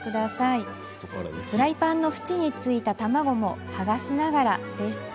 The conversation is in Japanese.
フライパンの縁についた卵も剥がしながらです。